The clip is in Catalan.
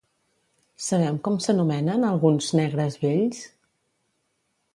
Sabem com s'anomenen alguns Negres vells?